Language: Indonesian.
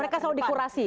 mereka selalu dikorasi